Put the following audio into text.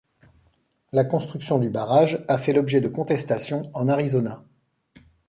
La construction du barrage a fait l'objet de contestations en Arizona.